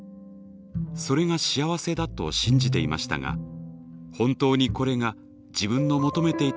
それが幸せだと信じていましたが本当にこれが自分の「求めていた幸せなのか？」